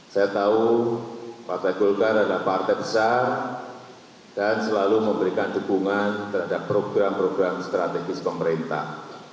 saya tahu partai golkar adalah partai besar dan selalu memberikan dukungan terhadap program program strategis pemerintah